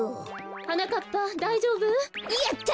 はなかっぱだいじょうぶ？やった！